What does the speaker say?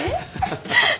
ハハハ。